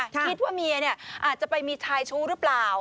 คิดว่าเมียอาจจะไปมีชายชู้หรือเปล่า